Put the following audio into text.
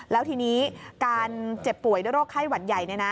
แล้วทีนี้การเจ็บป่วยด้วยโรคไข้หวัดใหญ่